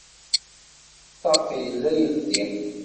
Ṭṭaq yella yeldi.